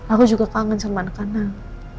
aku juga kangen sama anak kanan